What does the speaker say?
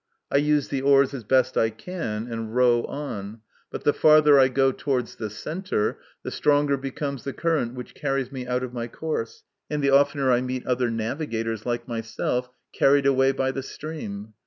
I use the oars as best I can, and row on ; but the farther I go towards the centre, the stronger becomes the current which carries me out of my course, and the oftener I meet other navigators, like myself, carried away by the stream.